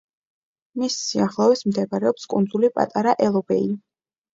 მის სიახლოვეს მდებარეობს კუნძული პატარა ელობეი.